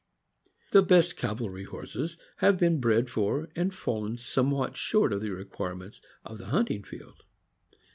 The best cavalry horses have been bred for and fallen some what short of the requirements of the hunting field.